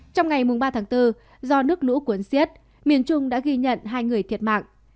trong ngày ba tháng bốn do nước lũ cuốn xiết miền trung đã ghi nhận hai người thiệt mạng